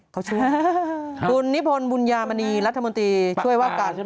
เขาช่วยคุณนิพนธ์บุญญามณีรัฐมนตรีช่วยว่าการ